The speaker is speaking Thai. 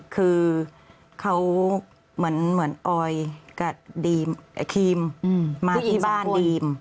คือเขาเหมือนออยกับครีมมาที่บ้านดีม